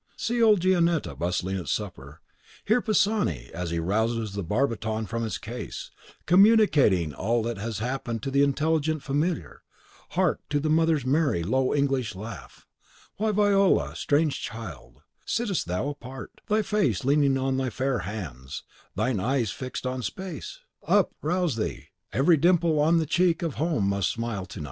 see old Gionetta bustling at the supper; and hear Pisani, as he rouses the barbiton from its case, communicating all that has happened to the intelligent Familiar; hark to the mother's merry, low, English laugh. Why, Viola, strange child, sittest thou apart, thy face leaning on thy fair hands, thine eyes fixed on space? Up, rouse thee! Every dimple on the cheek of home must smile to night. ("Ridete quidquid est domi cachinnorum."